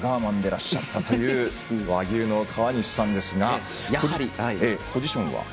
そして、さらにやはりラガーマンでらっしゃったという和牛の川西さんですがポジションは？